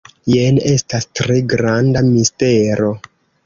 Jen estas tre granda mistero.